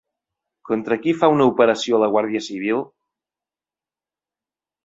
Contra qui fa una operació la Guàrdia Civil?